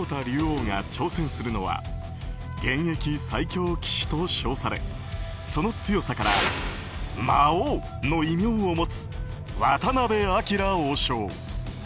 竜王が挑戦するのは現役最強棋士と称されその強さから魔王の異名を持つ渡辺明王将。